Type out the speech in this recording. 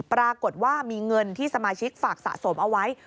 ปรากฏว่ามีเงินที่สมาชิกฝากสะสมเอาไว้